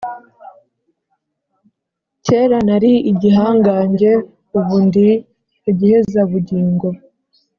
Kera nari igihangange. Ubu ndi igihezabugingo,